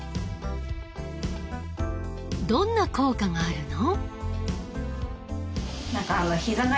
どんな効果があるの？